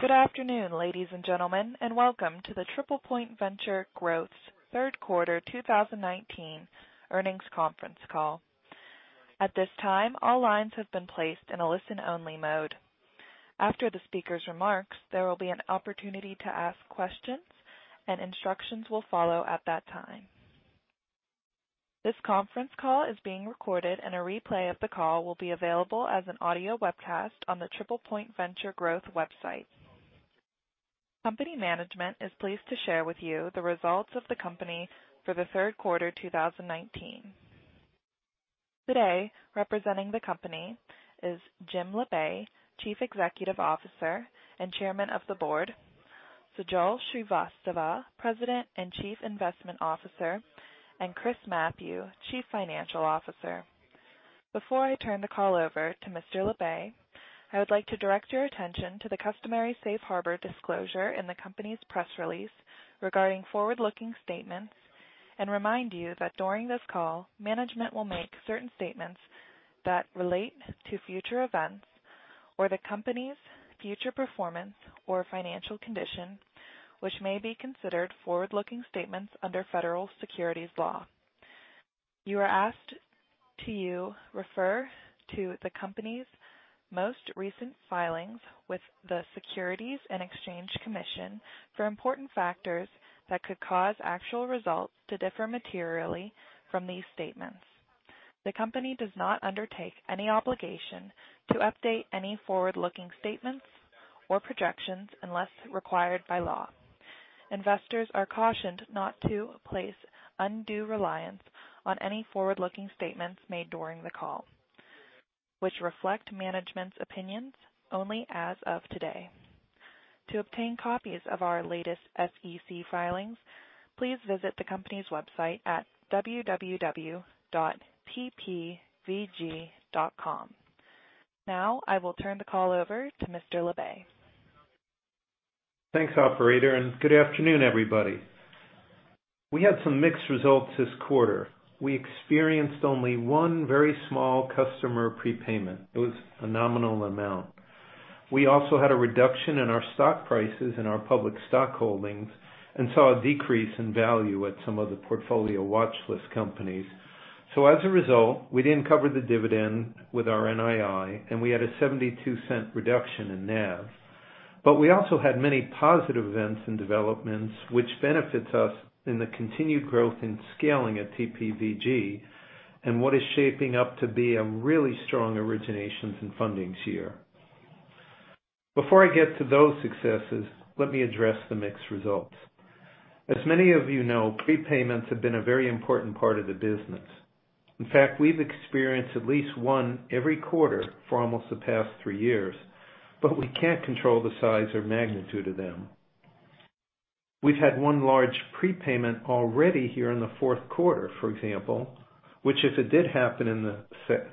Good afternoon, ladies and gentlemen, and welcome to the TriplePoint Venture Growth's third quarter 2019 earnings conference call. At this time, all lines have been placed in a listen-only mode. After the speaker's remarks, there will be an opportunity to ask questions, and instructions will follow at that time. This conference call is being recorded, and a replay of the call will be available as an audio webcast on the TriplePoint Venture Growth website. Company management is pleased to share with you the results of the company for the third quarter 2019. Today, representing the company is Jim Labe, Chief Executive Officer and Chairman of the Board, Sajal Srivastava, President and Chief Investment Officer, and Chris Mathieu, Chief Financial Officer. Before I turn the call over to Mr. Labe, I would like to direct your attention to the customary safe harbor disclosure in the company's press release regarding forward-looking statements and remind you that during this call, management will make certain statements that relate to future events or the company's future performance or financial condition, which may be considered forward-looking statements under federal securities law. You are asked to refer to the company's most recent filings with the Securities and Exchange Commission for important factors that could cause actual results to differ materially from these statements. The company does not undertake any obligation to update any forward-looking statements or projections unless required by law. Investors are cautioned not to place undue reliance on any forward-looking statements made during the call, which reflect management's opinions only as of today. To obtain copies of our latest SEC filings, please visit the company's website at www.tpvg.com. Now, I will turn the call over to Mr. Labe. Thanks, operator, good afternoon, everybody. We had some mixed results this quarter. We experienced only one very small customer prepayment. It was a nominal amount. We also had a reduction in our stock prices in our public stock holdings and saw a decrease in value at some of the portfolio watchlist companies. As a result, we didn't cover the dividend with our NII, and we had a $0.72 reduction in NAV. We also had many positive events and developments which benefits us in the continued growth in scaling at TPVG and what is shaping up to be a really strong originations and fundings year. Before I get to those successes, let me address the mixed results. As many of you know prepayments have been a very important part of the business. In fact, we've experienced at least one every quarter for almost the past three years, but we can't control the size or magnitude of them. We've had one large prepayment already here in the fourth quarter, for example, which if it did happen in the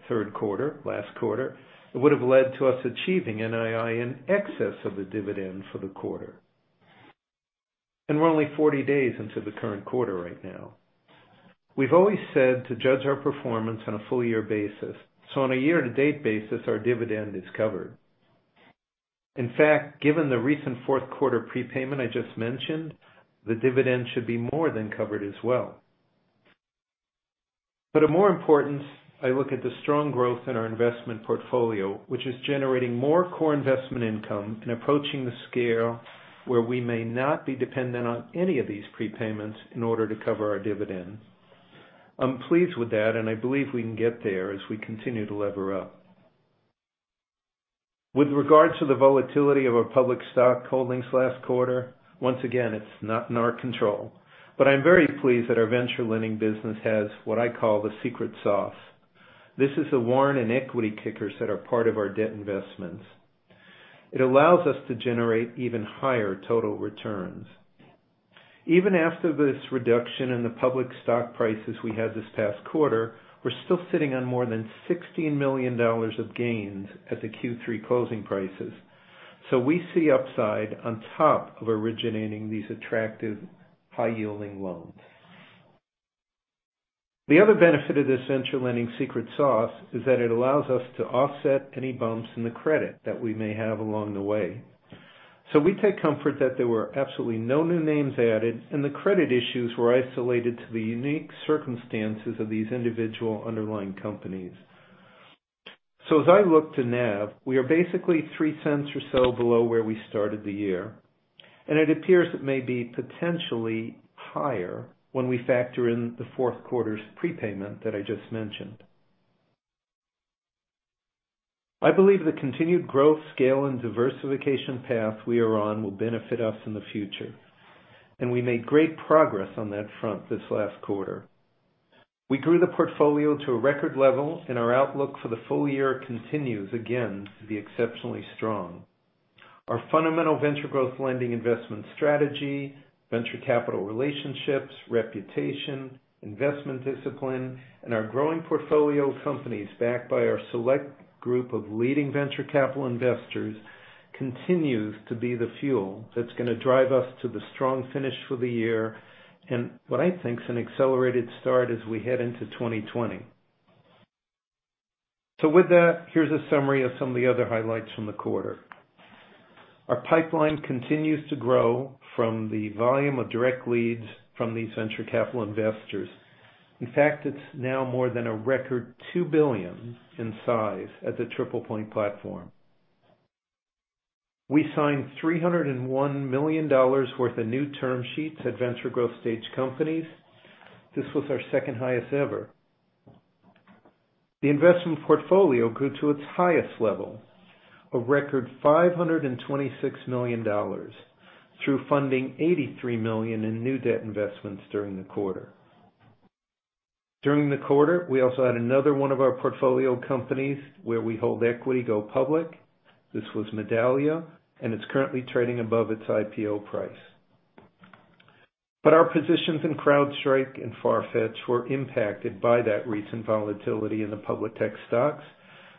third quarter, last quarter, it would have led to us achieving NII in excess of the dividend for the quarter. We're only 40 days into the current quarter right now. We've always said to judge our performance on a full-year basis. On a year-to-date basis, our dividend is covered. In fact, given the recent fourth quarter prepayment I just mentioned, the dividend should be more than covered as well. Of more importance, I look at the strong growth in our investment portfolio, which is generating more core investment income and approaching the scale where we may not be dependent on any of these prepayments in order to cover our dividend. I'm pleased with that, and I believe we can get there as we continue to lever up. With regards to the volatility of our public stock holdings last quarter, once again, it's not in our control. I'm very pleased that our venture lending business has what I call the secret sauce. This is the warrant and equity kickers that are part of our debt investments. It allows us to generate even higher total returns. Even after this reduction in the public stock prices we had this past quarter, we're still sitting on more than $16 million of gains at the Q3 closing prices. We see upside on top of originating these attractive high-yielding loans. The other benefit of this venture lending secret sauce is that it allows us to offset any bumps in the credit that we may have along the way. We take comfort that there were absolutely no new names added, and the credit issues were isolated to the unique circumstances of these individual underlying companies. As I look to NAV, we are basically $0.03 or so below where we started the year, and it appears it may be potentially higher when we factor in the fourth quarter's prepayment that I just mentioned. I believe the continued growth, scale, and diversification path we are on will benefit us in the future, and we made great progress on that front this last quarter. We grew the portfolio to a record level, and our outlook for the full year continues, again, to be exceptionally strong. Our fundamental venture growth lending investment strategy, venture capital relationships, reputation, investment discipline, and our growing portfolio of companies backed by our select group of leading venture capital investors continues to be the fuel that's going to drive us to the strong finish for the year and what I think is an accelerated start as we head into 2020. With that, here's a summary of some of the other highlights from the quarter. Our pipeline continues to grow from the volume of direct leads from these venture capital investors. In fact, it's now more than a record $2 billion in size at the TriplePoint platform. We signed $301 million worth of new term sheets at venture growth stage companies. This was our second highest ever. The investment portfolio grew to its highest level, a record $526 million, through funding $83 million in new debt investments during the quarter. During the quarter, we also had another one of our portfolio companies where we hold equity go public. This was Medallia, and it's currently trading above its IPO price. Our positions in CrowdStrike and Farfetch were impacted by that recent volatility in the public tech stocks,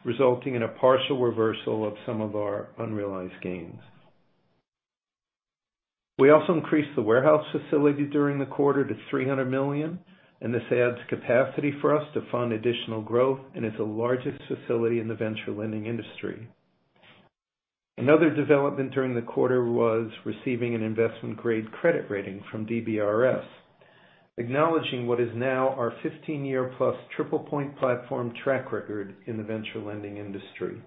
resulting in a partial reversal of some of our unrealized gains. We also increased the warehouse facility during the quarter to $300 million. This adds capacity for us to fund additional growth and is the largest facility in the venture lending industry. Another development during the quarter was receiving an investment-grade credit rating from DBRS, acknowledging what is now our 15-year-plus TriplePoint platform track record in the venture lending industry.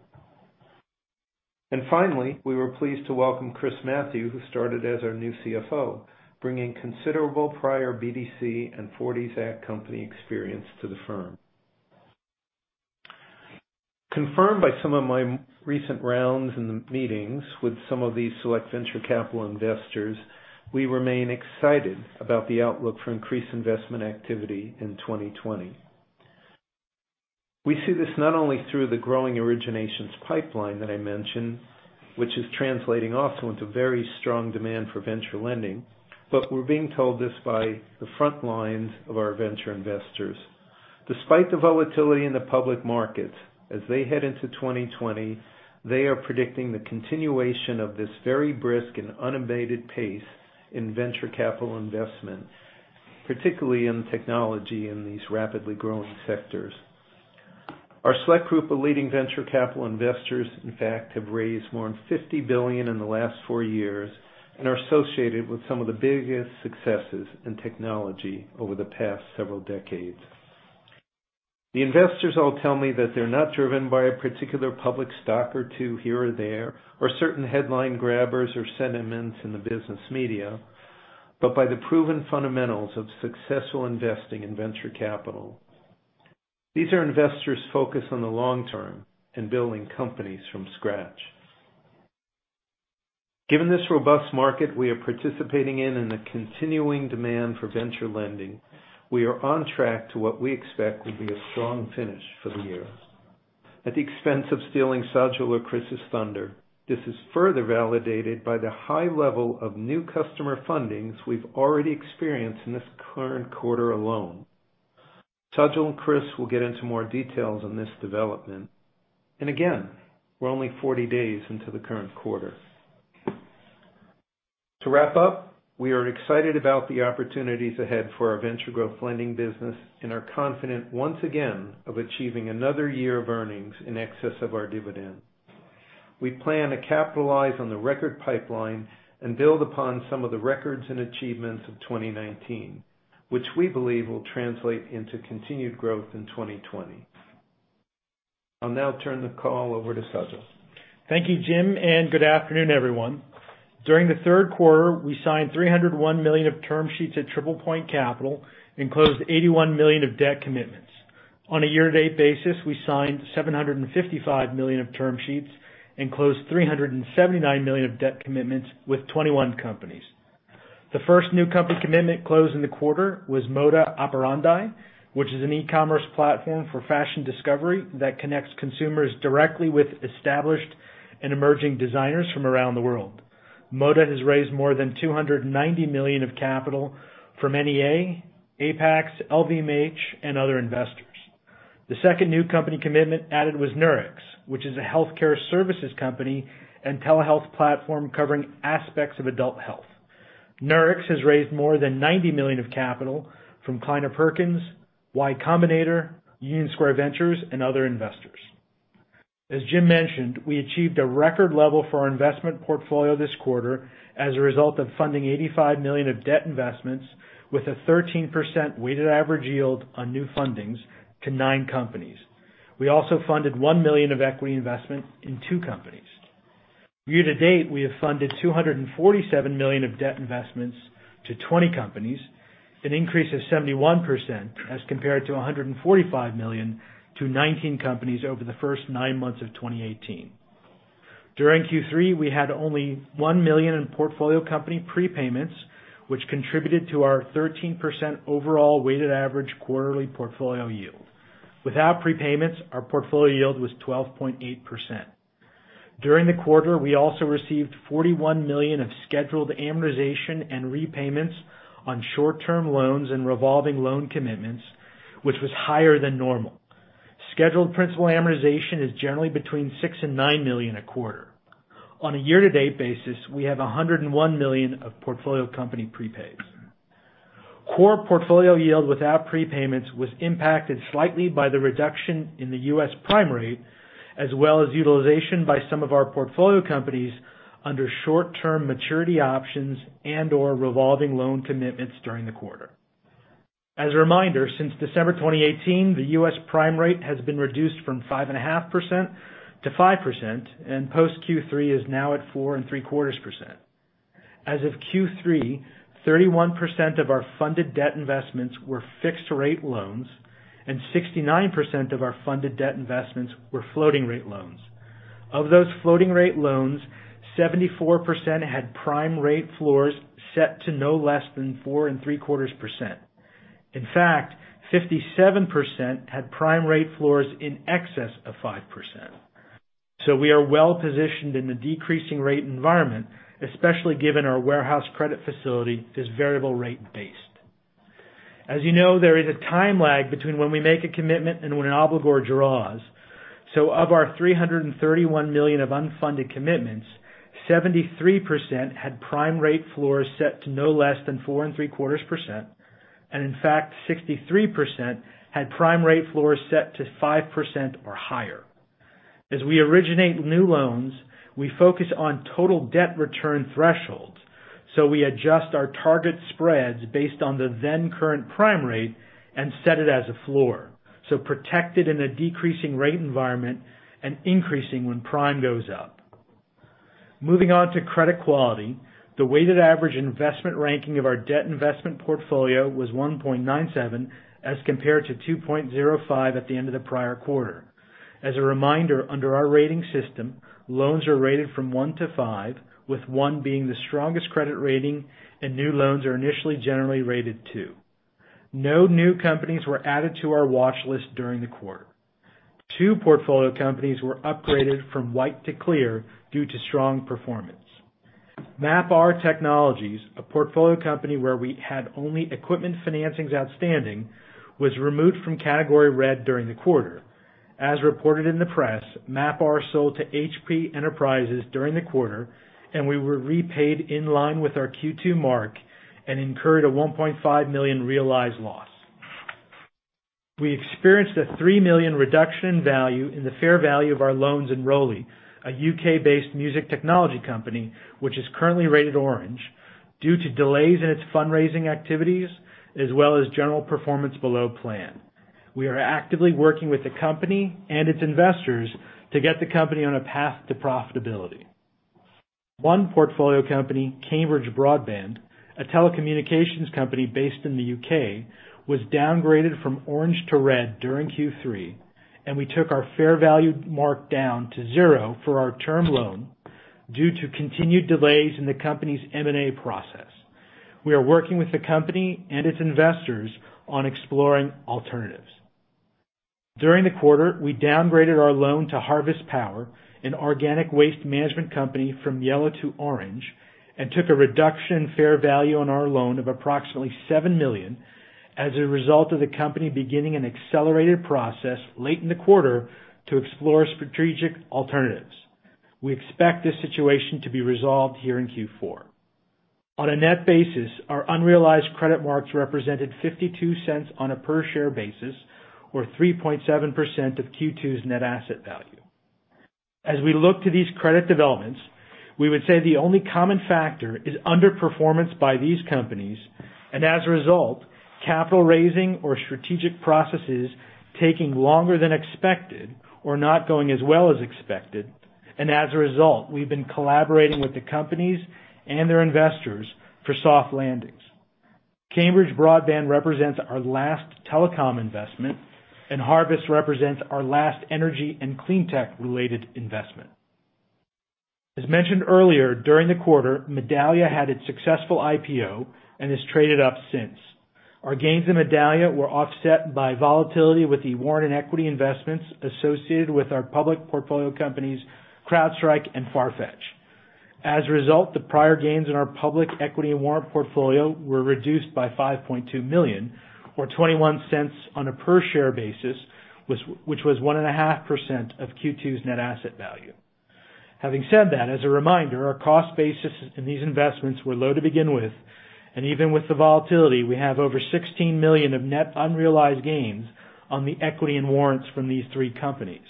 Finally, we were pleased to welcome Chris Mathieu, who started as our new CFO, bringing considerable prior BDC and '40 Act company experience to the firm. Confirmed by some of my recent rounds in the meetings with some of these select venture capital investors, we remain excited about the outlook for increased investment activity in 2020. We see this not only through the growing originations pipeline that I mentioned, which is translating also into very strong demand for venture lending, but we're being told this by the front lines of our venture investors. Despite the volatility in the public markets as they head into 2020, they are predicting the continuation of this very brisk and unabated pace in venture capital investment, particularly in technology in these rapidly growing sectors. Our select group of leading venture capital investors, in fact, have raised more than $50 billion in the last four years and are associated with some of the biggest successes in technology over the past several decades. The investors all tell me that they're not driven by a particular public stock or two here or there, or certain headline grabbers or sentiments in the business media, but by the proven fundamentals of successful investing in venture capital. These are investors focused on the long term and building companies from scratch. Given this robust market we are participating in and the continuing demand for venture lending, we are on track to what we expect will be a strong finish for the year. At the expense of stealing Sajal or Chris's thunder, this is further validated by the high level of new customer fundings we've already experienced in this current quarter alone. Sajal and Chris will get into more details on this development, and again, we're only 40 days into the current quarter. To wrap up, we are excited about the opportunities ahead for our venture growth lending business and are confident once again of achieving another year of earnings in excess of our dividend. We plan to capitalize on the record pipeline and build upon some of the records and achievements of 2019, which we believe will translate into continued growth in 2020. I'll now turn the call over to Sajal. Thank you, Jim. Good afternoon, everyone. During the third quarter, we signed $301 million of term sheets at TriplePoint Capital and closed $81 million of debt commitments. On a year-to-date basis, we signed $755 million of term sheets and closed $379 million of debt commitments with 21 companies. The first new company commitment closed in the quarter was Moda Operandi, which is an e-commerce platform for fashion discovery that connects consumers directly with established and emerging designers from around the world. Moda has raised more than $290 million of capital from NEA, Apax, LVMH, and other investors. The second new company commitment added was Nurx, which is a healthcare services company and telehealth platform covering aspects of adult health. Nurx has raised more than $90 million of capital from Kleiner Perkins, Y Combinator, Union Square Ventures, and other investors. As Jim mentioned, we achieved a record level for our investment portfolio this quarter as a result of funding $85 million of debt investments with a 13% weighted average yield on new fundings to nine companies. We also funded $1 million of equity investment in two companies. Year-to-date, we have funded $247 million of debt investments to 20 companies, an increase of 71%, as compared to $145 million to 19 companies over the first nine months of 2018. During Q3, we had only $1 million in portfolio company prepayments, which contributed to our 13% overall weighted average quarterly portfolio yield. Without prepayments, our portfolio yield was 12.8%. During the quarter, we also received $41 million of scheduled amortization and repayments on short-term loans and revolving loan commitments, which was higher than normal. Scheduled principal amortization is generally between $6 million-$9 million a quarter. On a year-to-date basis, we have $101 million of portfolio company prepays. Core portfolio yield without prepayments was impacted slightly by the reduction in the U.S. prime rate, as well as utilization by some of our portfolio companies under short-term maturity options and/or revolving loan commitments during the quarter. As a reminder, since December 2018, the U.S. prime rate has been reduced from 5.5% to 5%, and post Q3 is now at 4.75%. As of Q3, 31% of our funded debt investments were fixed rate loans, and 69% of our funded debt investments were floating rate loans. Of those floating rate loans, 74% had prime rate floors set to no less than 4.75%. In fact, 57% had prime rate floors in excess of 5%. We are well-positioned in the decreasing rate environment, especially given our warehouse credit facility is variable rate based. As you know, there is a time lag between when we make a commitment and when an obligor draws. Of our $331 million of unfunded commitments, 73% had prime rate floors set to no less than 4.75%, and in fact, 63% had prime rate floors set to 5% or higher. As we originate new loans, we focus on total debt return thresholds. We adjust our target spreads based on the then current prime rate and set it as a floor, so protected in a decreasing rate environment and increasing when prime goes up. Moving on to credit quality. The weighted average investment ranking of our debt investment portfolio was 1.97 as compared to 2.05 at the end of the prior quarter. As a reminder, under our rating system, loans are rated from one to five, with one being the strongest credit rating and new loans are initially generally rated 2. No new companies were added to our watch list during the quarter. Two portfolio companies were upgraded from white to clear due to strong performance. MapR Technologies, a portfolio company where we had only equipment financings outstanding, was removed from category red during the quarter. As reported in the press, MapR sold to Hewlett Packard Enterprise during the quarter, and we were repaid in line with our Q2 mark and incurred a $1.5 million realized loss. We experienced a $3 million reduction in value in the fair value of our loans in ROLI, a U.K.-based music technology company, which is currently rated orange, due to delays in its fundraising activities, as well as general performance below plan. We are actively working with the company and its investors to get the company on a path to profitability. One portfolio company, Cambridge Broadband, a telecommunications company based in the U.K., was downgraded from orange to red during Q3, and we took our fair value mark down to zero for our term loan due to continued delays in the company's M&A process. We are working with the company and its investors on exploring alternatives. During the quarter, we downgraded our loan to Harvest Power, an organic waste management company, from yellow to orange, and took a reduction fair value on our loan of approximately $7 million as a result of the company beginning an accelerated process late in the quarter to explore strategic alternatives. We expect this situation to be resolved here in Q4. On a net basis, our unrealized credit marks represented $0.52 on a per share basis or 3.7% of Q2's net asset value. As we look to these credit developments, we would say the only common factor is underperformance by these companies, and as a result, capital raising or strategic processes taking longer than expected or not going as well as expected, and as a result, we've been collaborating with the companies and their investors for soft landings. Cambridge Broadband represents our last telecom investment, and Harvest represents our last energy and clean tech-related investment. As mentioned earlier, during the quarter, Medallia had its successful IPO and has traded up since. Our gains in Medallia were offset by volatility with the warrant and equity investments associated with our public portfolio companies, CrowdStrike and Farfetch. As a result, the prior gains in our public equity and warrant portfolio were reduced by $5.2 million or $0.21 on a per share basis, which was 1.5% of Q2's net asset value. Having said that, as a reminder, our cost basis in these investments were low to begin with, and even with the volatility, we have over $16 million of net unrealized gains on the equity and warrants from these three companies.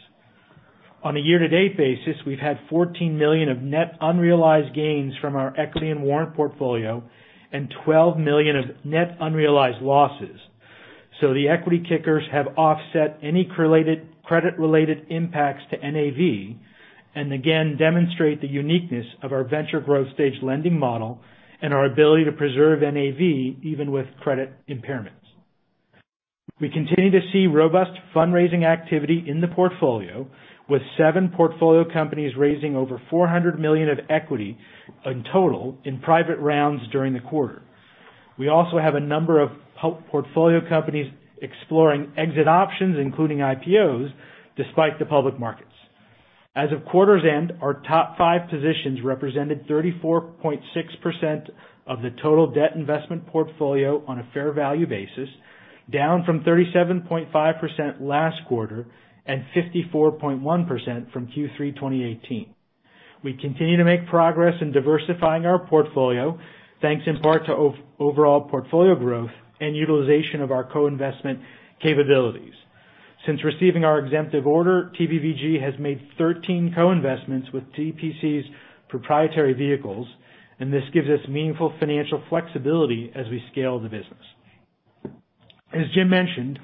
On a year-to-date basis, we've had $14 million of net unrealized gains from our equity and warrant portfolio and $12 million of net unrealized losses. The equity kickers have offset any credit-related impacts to NAV, and again, demonstrate the uniqueness of our venture growth stage lending model and our ability to preserve NAV even with credit impairments. We continue to see robust fundraising activity in the portfolio, with seven portfolio companies raising over $400 million of equity in total in private rounds during the quarter. We also have a number of portfolio companies exploring exit options, including IPOs, despite the public markets. As of quarter's end, our top 5 positions represented 34.6% of the total debt investment portfolio on a fair value basis, down from 37.5% last quarter and 54.1% from Q3 2018. We continue to make progress in diversifying our portfolio, thanks in part to overall portfolio growth and utilization of our co-investment capabilities. Since receiving our exemptive order, TPVG has made 13 co-investments with TPC's proprietary vehicles. This gives us meaningful financial flexibility as we scale the business. As Jim mentioned,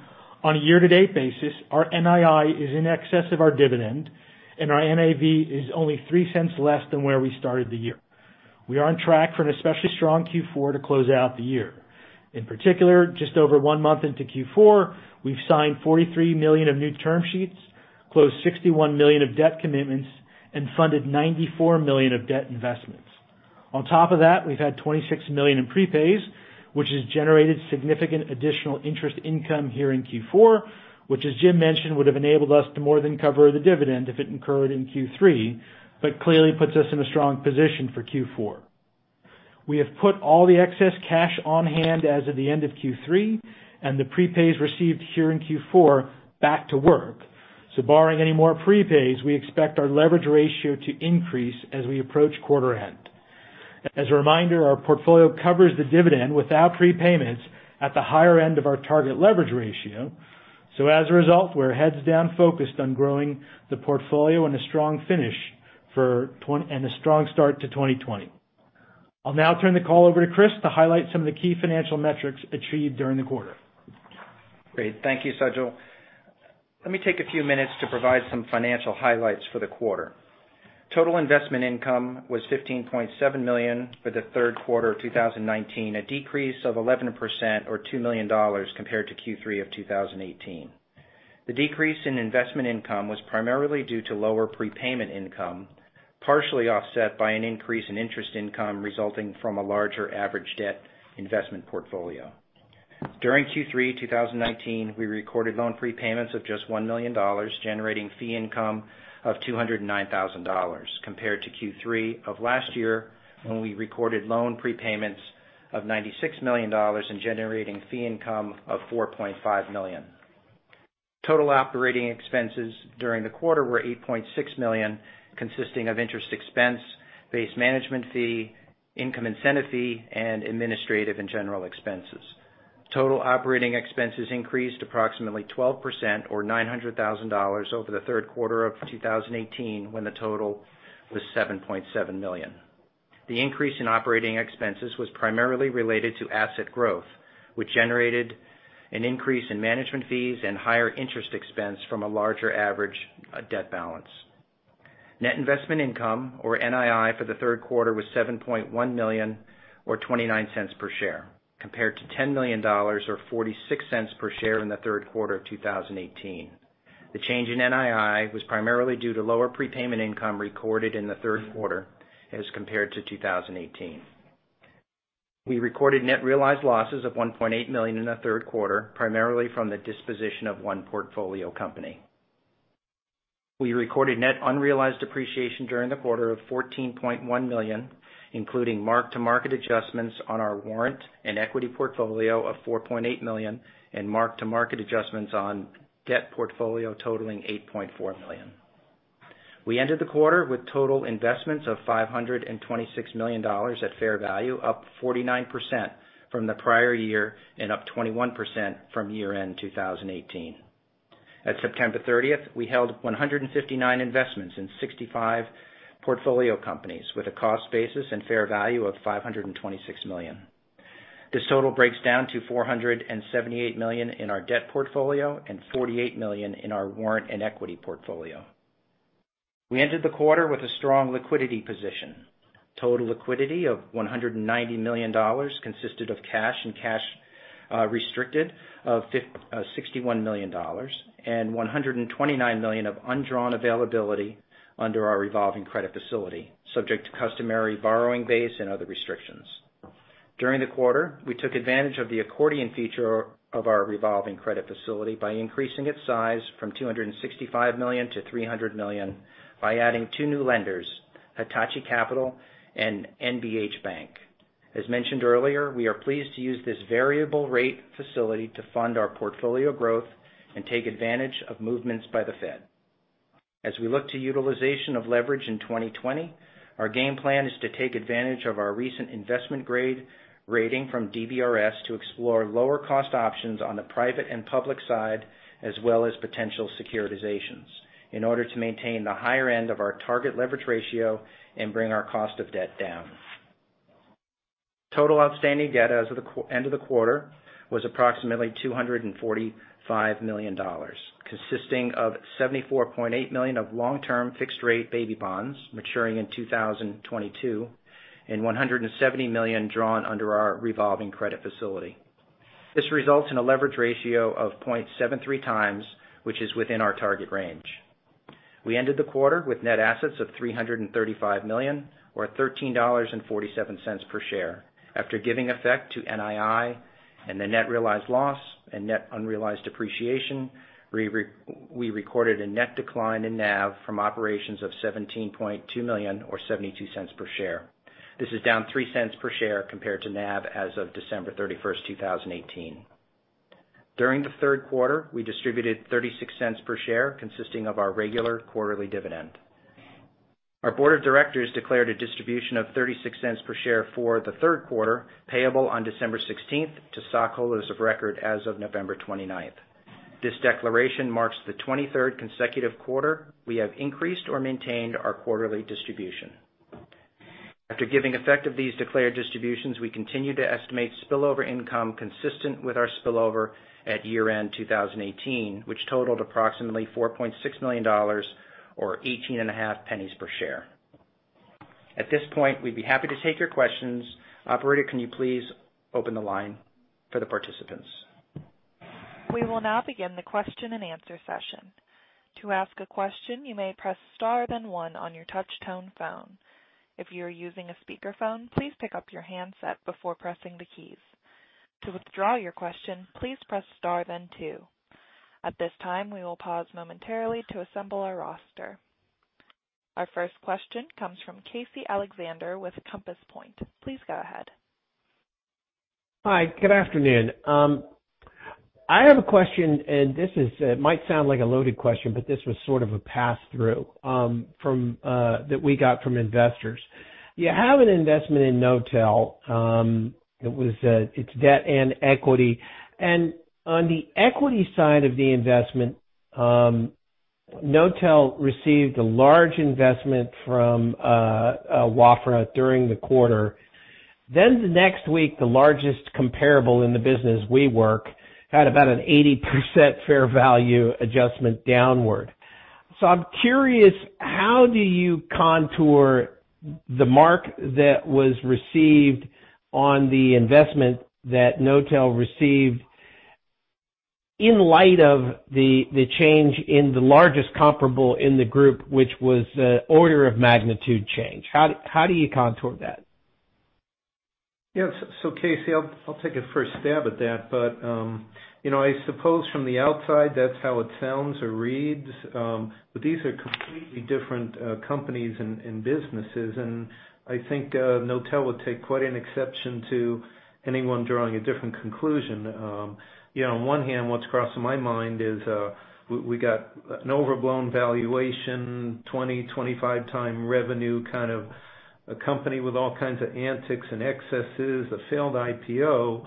on a year-to-date basis, our NII is in excess of our dividend, and our NAV is only $0.03 less than where we started the year. We are on track for an especially strong Q4 to close out the year. In particular, just over one month into Q4, we've signed $43 million of new term sheets, closed $61 million of debt commitments, and funded $94 million of debt investments. On top of that, we've had $26 million in prepays, which has generated significant additional interest income here in Q4, which, as Jim mentioned, would have enabled us to more than cover the dividend if it incurred in Q3, but clearly puts us in a strong position for Q4. We have put all the excess cash on hand as of the end of Q3 and the prepays received here in Q4 back to work. Barring any more prepays, we expect our leverage ratio to increase as we approach quarter end. As a reminder, our portfolio covers the dividend without prepayments at the higher end of our target leverage ratio. As a result, we're heads down focused on growing the portfolio and a strong start to 2020. I'll now turn the call over to Chris to highlight some of the key financial metrics achieved during the quarter. Great. Thank you, Sajal. Let me take a few minutes to provide some financial highlights for the quarter. Total investment income was $15.7 million for the third quarter of 2019, a decrease of 11% or $2 million compared to Q3 of 2018. The decrease in investment income was primarily due to lower prepayment income, partially offset by an increase in interest income resulting from a larger average debt investment portfolio. During Q3 2019, we recorded loan prepayments of just $1 million, generating fee income of $209,000, compared to Q3 of last year, when we recorded loan prepayments of $96 million and generating fee income of $4.5 million. Total operating expenses during the quarter were $8.6 million, consisting of interest expense, base management fee, income incentive fee, and administrative and general expenses. Total operating expenses increased approximately 12% or $900,000 over the third quarter of 2018, when the total was $7.7 million. The increase in operating expenses was primarily related to asset growth, which generated an increase in management fees and higher interest expense from a larger average debt balance. Net investment income, or NII, for the third quarter was $7.1 million or $0.29 per share, compared to $10 million or $0.46 per share in the third quarter of 2018. The change in NII was primarily due to lower prepayment income recorded in the third quarter as compared to 2018. We recorded net realized losses of $1.8 million in the third quarter, primarily from the disposition of one portfolio company. We recorded net unrealized depreciation during the quarter of $14.1 million, including mark-to-market adjustments on our warrant and equity portfolio of $4.8 million and mark-to-market adjustments on debt portfolio totaling $8.4 million. We ended the quarter with total investments of $526 million at fair value, up 49% from the prior year and up 21% from year-end 2018. At September 30th, we held 159 investments in 65 portfolio companies with a cost basis and fair value of $526 million. This total breaks down to $478 million in our debt portfolio and $48 million in our warrant and equity portfolio. We ended the quarter with a strong liquidity position. Total liquidity of $190 million consisted of cash and cash restricted of $61 million and $129 million of undrawn availability under our revolving credit facility, subject to customary borrowing base and other restrictions. During the quarter, we took advantage of the accordion feature of our revolving credit facility by increasing its size from $265 million to $300 million by adding two new lenders, Hitachi Capital and NBH Bank. As mentioned earlier, we are pleased to use this variable rate facility to fund our portfolio growth and take advantage of movements by the Fed. As we look to utilization of leverage in 2020, our game plan is to take advantage of our recent investment grade rating from DBRS to explore lower cost options on the private and public side, as well as potential securitizations in order to maintain the higher end of our target leverage ratio and bring our cost of debt down. Total outstanding debt as of the end of the quarter was approximately $245 million, consisting of $74.8 million of long-term fixed rate baby bonds maturing in 2022 and $170 million drawn under our revolving credit facility. This results in a leverage ratio of 0.73 times, which is within our target range. We ended the quarter with net assets of $335 million or $13.47 per share. After giving effect to NII and the net realized loss and net unrealized appreciation, we recorded a net decline in NAV from operations of $17.2 million or $0.72 per share. This is down $0.03 per share compared to NAV as of December 31st, 2018. During the third quarter, we distributed $0.36 per share consisting of our regular quarterly dividend. Our board of directors declared a distribution of $0.36 per share for the third quarter, payable on December 16th to stockholders of record as of November 29th. This declaration marks the 23rd consecutive quarter we have increased or maintained our quarterly distribution. After giving effect of these declared distributions, we continue to estimate spillover income consistent with our spillover at year-end 2018, which totaled approximately $4.6 million, or $0.185 per share. At this point, we'd be happy to take your questions. Operator, can you please open the line for the participants? We will now begin the question and answer session. To ask a question, you may press star then one on your touch tone phone. If you are using a speakerphone, please pick up your handset before pressing the keys. To withdraw your question, please press star then two. At this time, we will pause momentarily to assemble our roster. Our first question comes from Casey Alexander with Compass Point. Please go ahead. Hi, good afternoon. I have a question, and this might sound like a loaded question, but this was sort of a pass-through that we got from investors. You have an investment in Knotel. It's debt and equity. On the equity side of the investment, Knotel received a large investment from Wafra during the quarter. The next week, the largest comparable in the business, WeWork, had about an 80% fair value adjustment downward. I'm curious, how do you contour the mark that was received on the investment that Knotel received in light of the change in the largest comparable in the group, which was the order of magnitude change? How do you contour that? Yeah. Casey, I'll take a first stab at that. I suppose from the outside, that's how it sounds or reads. These are completely different companies and businesses, and I think Knotel would take quite an exception to anyone drawing a different conclusion. On one hand, what's crossing my mind is we got an overblown valuation, 20, 25 times revenue, kind of a company with all kinds of antics and excesses, a failed IPO.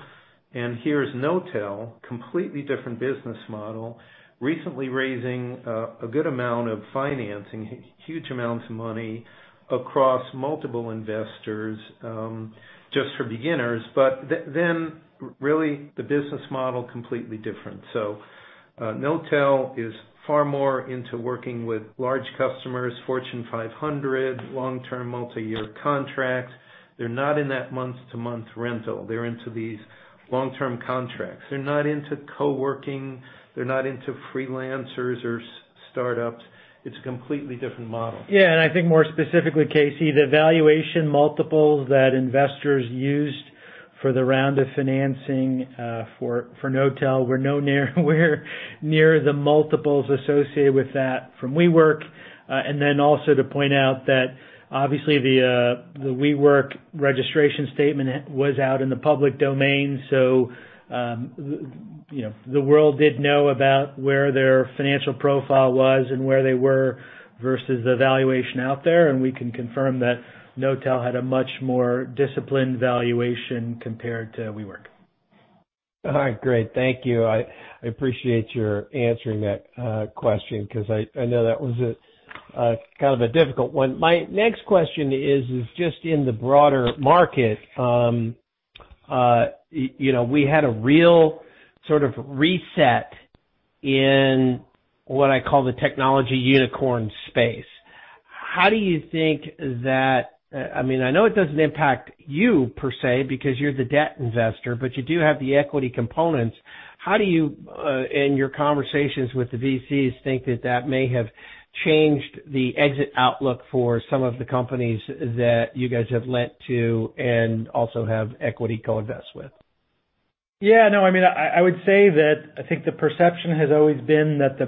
Here's Knotel, completely different business model, recently raising a good amount of financing, huge amounts of money across multiple investors, just for beginners. Really the business model, completely different. Knotel is far more into working with large customers, Fortune 500, long-term multi-year contracts. They're not in that month-to-month rental. They're into these long-term contracts. They're not into co-working. They're not into freelancers or startups. It's a completely different model. Yeah. I think more specifically, Casey, the valuation multiples that investors used for the round of financing for Knotel were nowhere near the multiples associated with that from WeWork. Also to point out that obviously the WeWork registration statement was out in the public domain. The world did know about where their financial profile was and where they were versus the valuation out there. We can confirm that Knotel had a much more disciplined valuation compared to WeWork. All right, great. Thank you. I appreciate your answering that question because I know that was kind of a difficult one. My next question is just in the broader market. We had a real sort of reset in what I call the technology unicorn space. I know it doesn't impact you per se because you're the debt investor, but you do have the equity components. How do you, in your conversations with the VCs, think that that may have changed the exit outlook for some of the companies that you guys have lent to and also have equity co-invest with? Yeah. I would say that I think the perception has always been that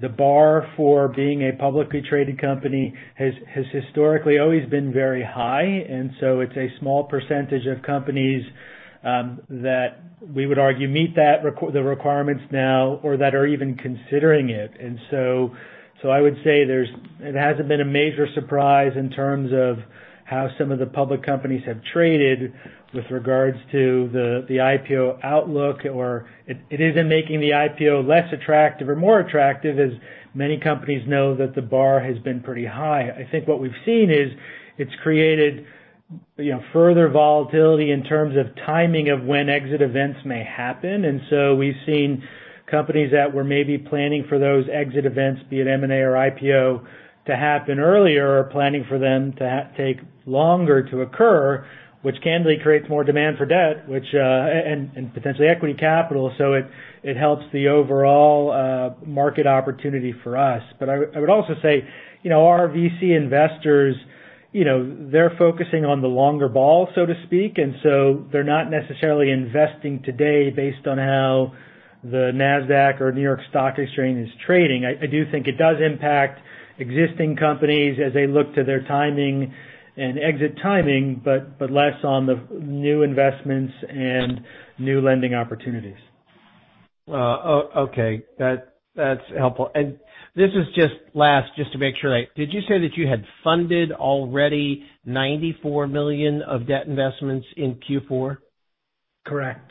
the bar for being a publicly traded company has historically always been very high. It's a small percentage of companies that we would argue meet the requirements now or that are even considering it. I would say it hasn't been a major surprise in terms of how some of the public companies have traded with regards to the IPO outlook. It isn't making the IPO less attractive or more attractive as many companies know that the bar has been pretty high. I think what we've seen is it's created further volatility in terms of timing of when exit events may happen. We've seen companies that were maybe planning for those exit events, be it M&A or IPO, to happen earlier are planning for them to take longer to occur, which candidly creates more demand for debt and potentially equity capital. It helps the overall market opportunity for us. I would also say our VC investors, they're focusing on the longer ball, so to speak. They're not necessarily investing today based on how the Nasdaq or New York Stock Exchange is trading. I do think it does impact existing companies as they look to their timing and exit timing, but less on the new investments and new lending opportunities. Okay. That's helpful. This is just last. Did you say that you had funded already $94 million of debt investments in Q4? Correct.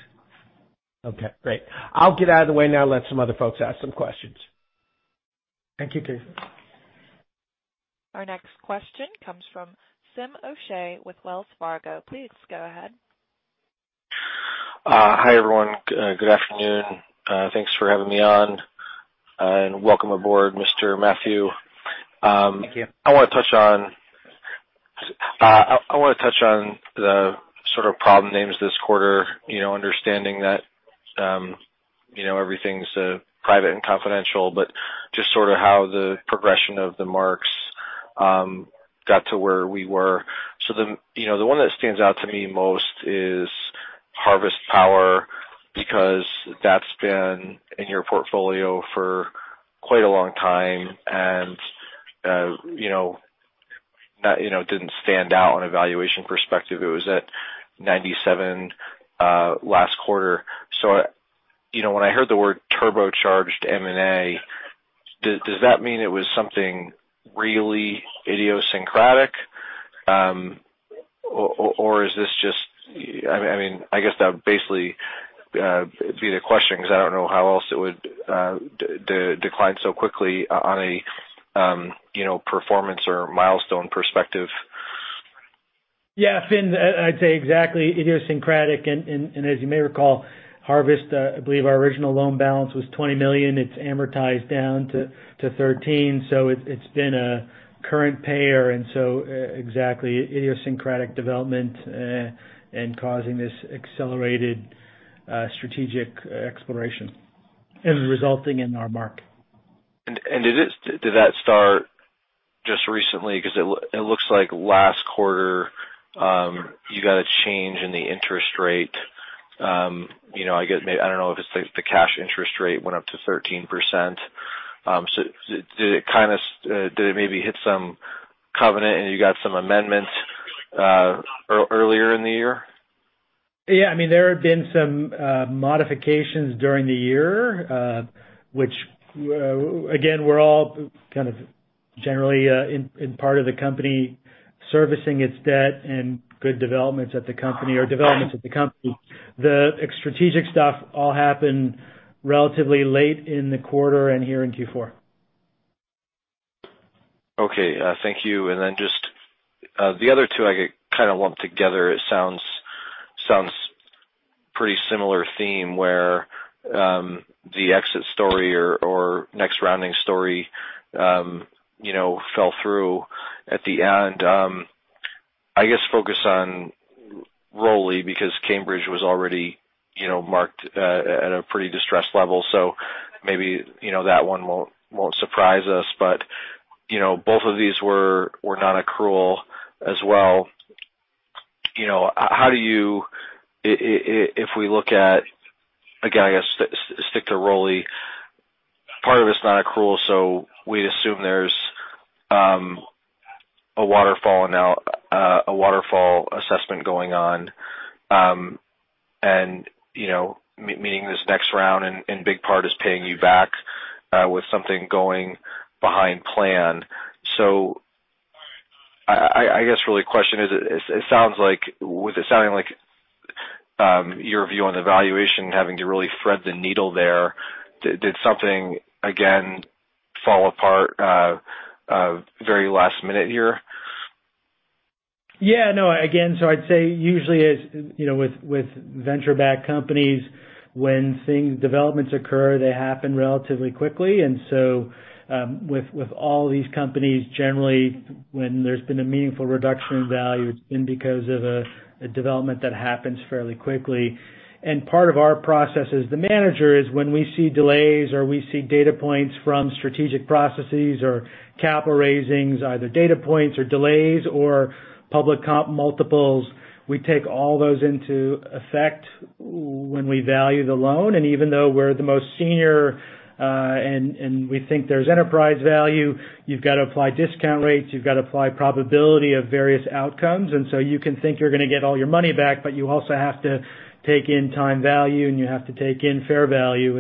Okay, great. I'll get out of the way now, let some other folks ask some questions. Thank you, Casey. Our next question comes from Finian O'Shea with Wells Fargo. Please go ahead. Hi, everyone. Good afternoon. Thanks for having me on, and welcome aboard, Mr. Mathieu. Thank you. I want to touch on the sort of problem names this quarter, understanding that everything's private and confidential, but just sort of how the progression of the marks got to where we were. The one that stands out to me most is Harvest Power, because that's been in your portfolio for quite a long time. That didn't stand out on a valuation perspective. It was at 97 last quarter. When I heard the word turbocharged M&A, does that mean it was something really idiosyncratic? Or is this just I guess that would basically be the question, because I don't know how else it would decline so quickly on a performance or milestone perspective. Yeah. Fin, I'd say exactly idiosyncratic. As you may recall, Harvest, I believe our original loan balance was $20 million. It's amortized down to $13 million, so it's been a current payer. Exactly, idiosyncratic development and causing this accelerated strategic exploration and resulting in our mark. Did that start just recently? It looks like last quarter you got a change in the interest rate. I don't know if it's the cash interest rate went up to 13%. Did it maybe hit some covenant and you got some amendments earlier in the year? There have been some modifications during the year which again, were all kind of generally in part of the company servicing its debt and good developments at the company or developments at the company. The strategic stuff all happened relatively late in the quarter and here in Q4. Okay. Thank you. Just the other two I kind of lumped together. It sounds pretty similar theme where the exit story or next rounding story fell through at the end. I guess focus on ROLI because Cambridge was already marked at a pretty distressed level, so maybe that one won't surprise us, but both of these were not accrual as well. If we look at, again, I guess stick to ROLI, part of it's not accrual, so we'd assume there's a waterfall assessment going on. Meaning this next round and big part is paying you back with something going behind plan. I guess really question is, with it sounding like your view on the valuation having to really thread the needle there, did something again fall apart very last minute here? Yeah, no. Again, I'd say usually with venture-backed companies, when developments occur, they happen relatively quickly. With all these companies, generally, when there's been a meaningful reduction in value, it's been because of a development that happens fairly quickly. Part of our process as the manager is when we see delays or we see data points from strategic processes or capital raisings, either data points or delays or public comp multiples, we take all those into effect when we value the loan. Even though we're the most senior, and we think there's enterprise value, you've got to apply discount rates, you've got to apply probability of various outcomes. You can think you're going to get all your money back, but you also have to take in time value, and you have to take in fair value.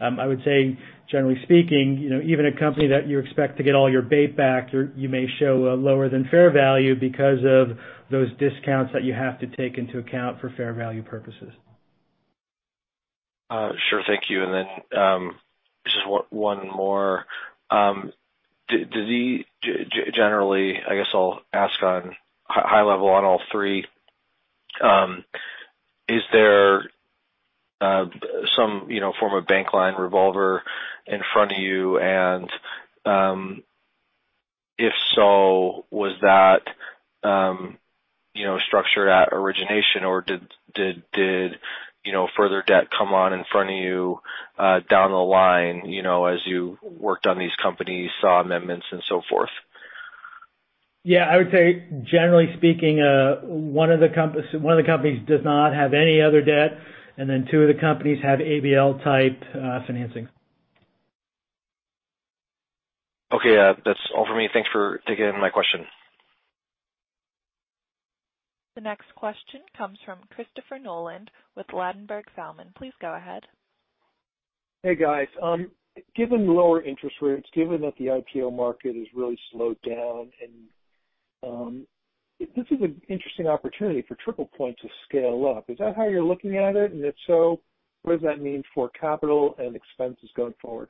I would say, generally speaking, even a company that you expect to get all your debt back, you may show a lower than fair value because of those discounts that you have to take into account for fair value purposes. Sure. Thank you. Just one more. Generally, I guess I'll ask on high level on all three. Is there some form of bank line revolver in front of you? If so, was that structured at origination or did further debt come on in front of you down the line as you worked on these companies, saw amendments and so forth? Yeah. I would say generally speaking, one of the companies does not have any other debt, and then two of the companies have ABL-type financing. Okay. That's all for me. Thanks for taking my question. The next question comes from Christopher Nolan with Ladenburg Thalmann. Please go ahead. Hey, guys. Given lower interest rates, given that the IPO market has really slowed down, this is an interesting opportunity for TriplePoint to scale up. Is that how you're looking at it? If so, what does that mean for capital and expenses going forward?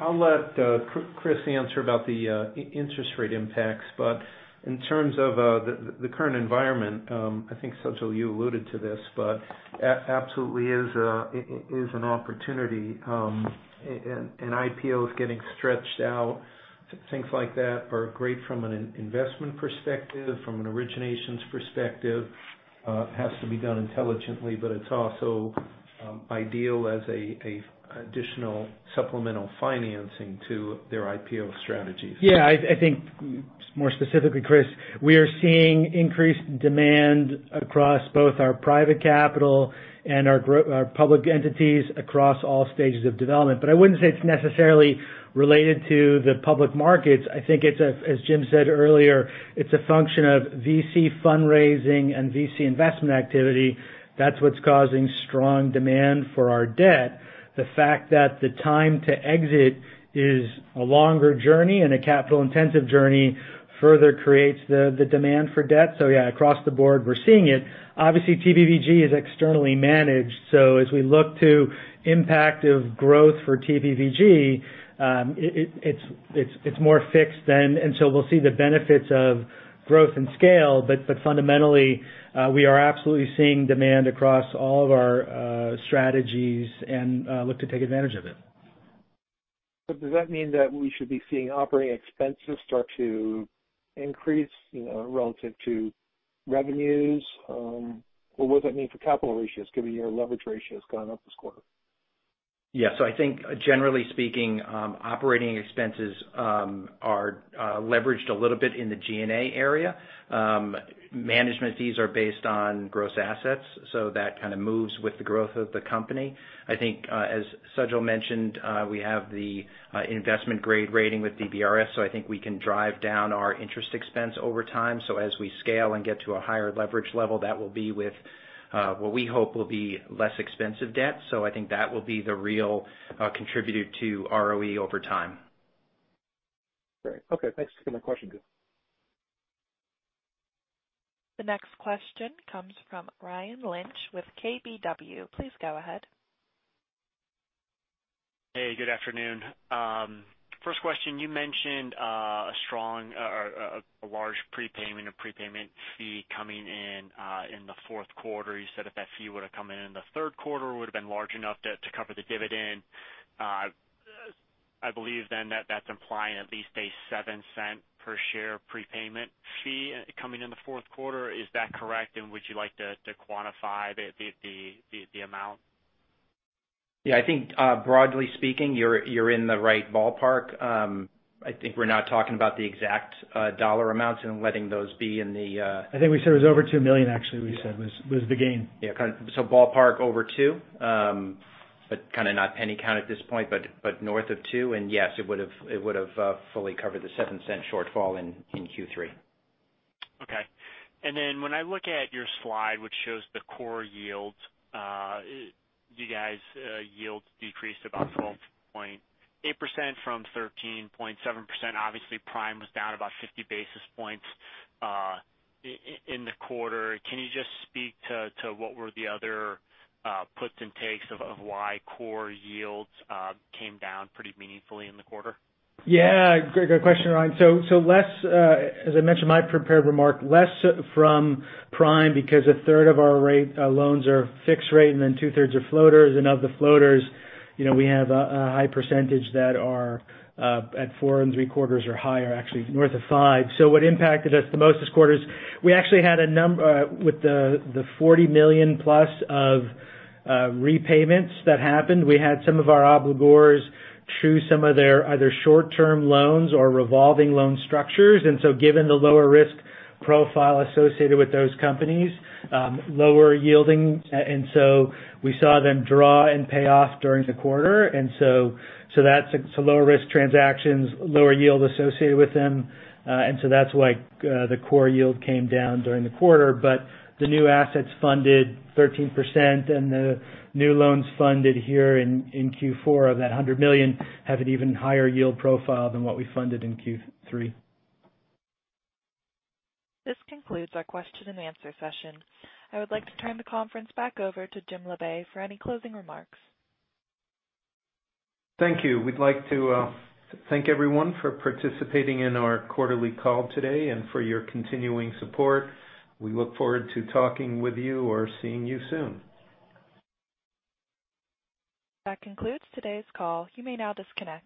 I'll let Chris answer about the interest rate impacts. In terms of the current environment, I think, Sajal, you alluded to this, but absolutely is an opportunity. IPOs getting stretched out, things like that are great from an investment perspective, from an originations perspective. Has to be done intelligently, but it's also ideal as an additional supplemental financing to their IPO strategies. Yeah, I think more specifically, Chris, we are seeing increased demand across both our private capital and our public entities across all stages of development. I wouldn't say it's necessarily related to the public markets. I think it's, as Jim said earlier, it's a function of VC fundraising and VC investment activity. That's what's causing strong demand for our debt. The fact that the time to exit is a longer journey and a capital-intensive journey further creates the demand for debt. Yeah, across the board, we're seeing it. Obviously, TPVG is externally managed, so as we look to impact of growth for TPVG, it's more fixed. We'll see the benefits of growth and scale, but fundamentally, we are absolutely seeing demand across all of our strategies and look to take advantage of it. Does that mean that we should be seeing operating expenses start to increase relative to revenues? What does that mean for capital ratios, given your leverage ratio has gone up this quarter? Yeah. I think generally speaking, operating expenses are leveraged a little bit in the G&A area. Management fees are based on gross assets, so that kind of moves with the growth of the company. I think, as Sajal mentioned, we have the investment-grade rating with DBRS, so I think we can drive down our interest expense over time. As we scale and get to a higher leverage level, that will be with what we hope will be less expensive debt. I think that will be the real contributor to ROE over time. Great. Okay. Thanks for taking my question. The next question comes from Ryan Lynch with KBW. Please go ahead. Hey, good afternoon. First question, you mentioned a large prepayment or prepayment fee coming in the fourth quarter. You said if that fee would've come in in the third quarter, it would've been large enough to cover the dividend. I believe that that's implying at least a $0.07 per share prepayment fee coming in the fourth quarter. Is that correct, and would you like to quantify the amount? Yeah, I think, broadly speaking, you're in the right ballpark. I think we're not talking about the exact dollar amounts and letting those be in the- I think we said it was over $2 million, actually, we said was the gain. Yeah. Ballpark over two. Kind of not penny count at this point, but north of two, and yes, it would've fully covered the $0.07 shortfall in Q3. Okay. When I look at your slide, which shows the core yields. You guys' yields decreased about 12.8% from 13.7%. Obviously, prime was down about 50 basis points in the quarter. Can you just speak to what were the other puts and takes of why core yields came down pretty meaningfully in the quarter? Yeah. Good question, Ryan. Less, as I mentioned in my prepared remark, less from Prime because a third of our loans are fixed rate and then two-thirds are floaters. Of the floaters, we have a high percentage that are at four and three-quarters or higher, actually north of five. What impacted us the most this quarter is we actually had, with the $40 million+ of repayments that happened. We had some of our obligors choose some of their either short-term loans or revolving loan structures. Given the lower risk profile associated with those companies, lower yielding, we saw them draw and pay off during the quarter. That's lower risk transactions, lower yield associated with them. That's why the core yield came down during the quarter. The new assets funded 13% and the new loans funded here in Q4 of that $100 million have an even higher yield profile than what we funded in Q3. This concludes our question and answer session. I would like to turn the conference back over to Jim Labe for any closing remarks. Thank you. We'd like to thank everyone for participating in our quarterly call today and for your continuing support. We look forward to talking with you or seeing you soon. That concludes today's call. You may now disconnect.